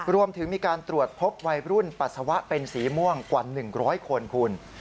รวมถึงมีการตรวจพบวัยรุ่นปัสสาวะเป็นสีม่วงกว่า๑๐๐คนคุณ